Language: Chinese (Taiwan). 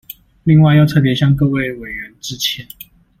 另外要特別向各位委員致歉